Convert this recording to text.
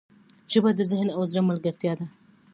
ژبه د ذهن او زړه ملګرتیا ده